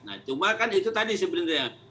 nah cuma kan itu tadi sebenarnya